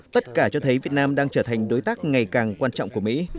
tất cả cho thấy việt nam đang trở thành đối tác ngày càng quan trọng của mỹ